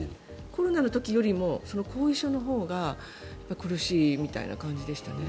コロナの時よりも後遺症のほうが苦しいみたいな感じでしたね。